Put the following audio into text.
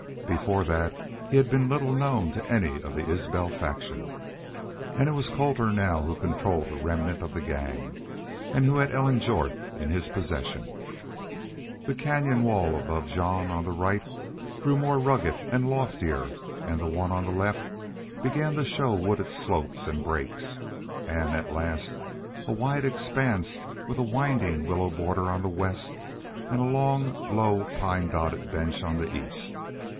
Before that he had been little known to any of the Isbel faction. And it was Colter now who controlled the remnant of the gang and who had Ellen Jorth in his possession. The canyon wall above Jean, on the right, grew more rugged and loftier, and the one on the left began to show wooded slopes and brakes, and at last a wide expanse with a winding, willow border on the west and a long, low, pine dotted bench on the east.